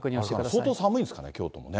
相当寒いんですかね、京都もね。